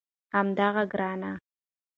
همدغه ګرانه